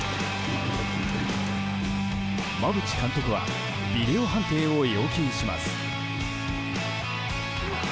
馬淵監督はビデオ判定を要求します。